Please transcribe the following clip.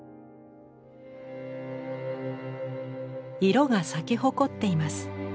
色が咲き誇っています。